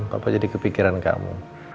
papa jadi kepikiran kamu